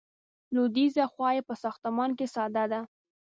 لویدیځه خوا یې په ساختمان کې ساده ده.